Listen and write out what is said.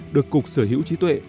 được cục sở hữu trí tuệ